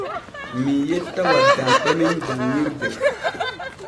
Mii yetta waddamɓe men janŋirde.